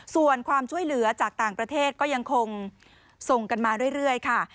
ส่วนความช่วยเหลือจากต่างประเทศก็ยังคงส่งกันมาเรื่อยค่ะ